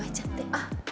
あっ。